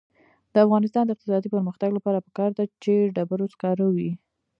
د افغانستان د اقتصادي پرمختګ لپاره پکار ده چې ډبرو سکاره وي.